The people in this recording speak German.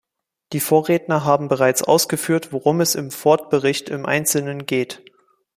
Die Vorredner haben bereits ausgeführt, worum es im Ford-Bericht im einzelnen geht.